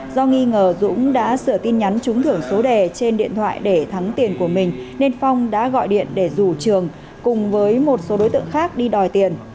do nghi ngờ dũng đã sửa tin nhắn trúng thưởng số đề trên điện thoại để thắng tiền của mình nên phong đã gọi điện để rủ trường cùng với một số đối tượng khác đi đòi tiền